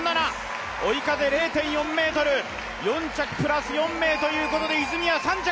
追い風０．４メートル４着プラス３名ということで泉谷、３着！